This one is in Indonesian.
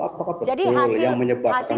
apakah betul yang menyebabkan